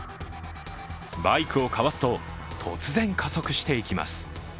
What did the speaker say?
バイクをかわすと突然、加速していきます。